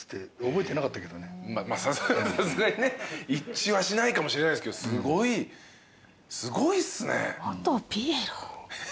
さすがにね一致はしないかもしれないですけどすごいっすね。